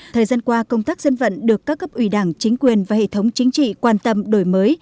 thời gian qua công tác dân vận được các cấp ủy đảng chính quyền và hệ thống chính trị quan tâm đổi mới